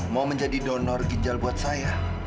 mau menjadi donor ginjal buat saya